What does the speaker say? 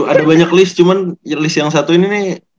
ada banyak list cuman list yang satu ini nih